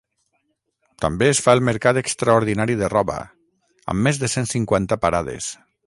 També es fa el mercat extraordinari de roba, amb més de cent cinquanta parades.